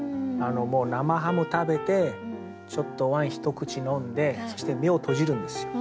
生ハム食べてちょっとワイン一口飲んでそして目を閉じるんですよ。